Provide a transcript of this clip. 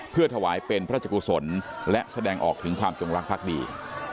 เพื่อถวายเป็นพระจักรสนและแสดงออกถึงความจงรักษ์พรรคดี